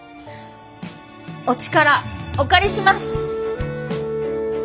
お力お借りします！